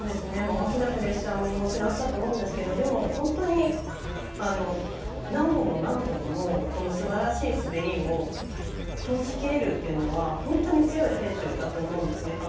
大きなプレッシャーももちろんあったと思うんですけどでも、本当に何本もこのすばらしい滑りを通しきれるというのは本当に強い選手だと思うんですね。